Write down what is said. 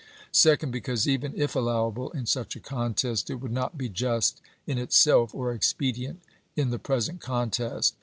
Second. Because, even if allowable in such a contest, it would not be just in itself or expedient in the present contest.